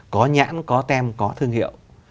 có nhãn có tem có thương hiệu